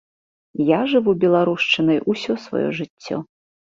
Я жыву беларушчынай усё сваё жыццё.